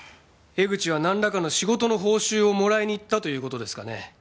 江口はなんらかの仕事の報酬をもらいに行ったという事ですかね？